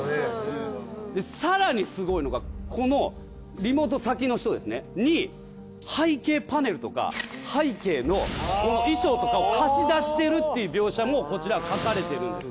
更にすごいのがこのリモート先の人に背景パネルとか背景の衣装とかを貸し出してるっていう描写もこちら描かれてるんです。